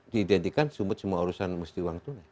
diidentikan sumut semua urusan mustiwang itu